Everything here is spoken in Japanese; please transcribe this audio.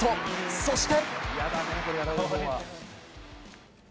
そして。